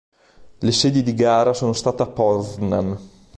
Le sedi di gara sono state a Poznań.